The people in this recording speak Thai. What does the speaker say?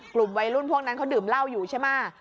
กลุ่มวัยรุ่นพวกนั้นเขาดื่มเหล้าอยู่ใช่ไหม